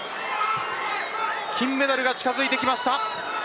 金メダルが近づいてきました。